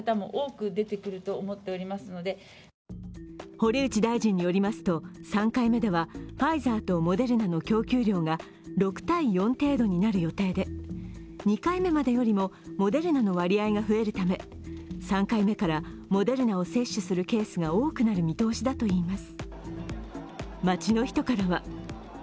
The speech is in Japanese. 堀内大臣によりますと、３回目ではファイザーとモデルナの供給量が６：４程度になる予定で２回目までよりもモデルナの割合が増えるため３回目からモデルナを接種するケースが多くなる見通しだといいます。